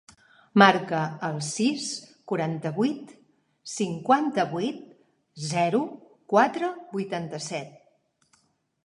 Marca el sis, quaranta-vuit, cinquanta-vuit, zero, quatre, vuitanta-set.